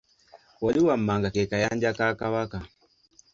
Wali wammanga ke kayanja ka kabaka.